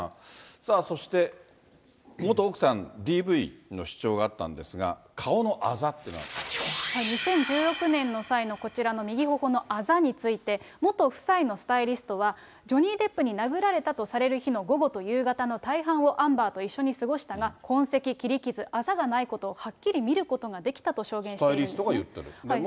さあ、そして元奥さん、ＤＶの主張があったんですが、顔のあ２０１６年の際の、こちらの右ほほのあざについて、元夫妻のスタイリストは、ジョニー・デップに殴られたとされる日の午後と夕方の大半をアンバーと過ごしたが、痕跡、切り傷、あざがないことをはっきり証言してるんですね。